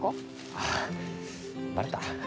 ああバレた？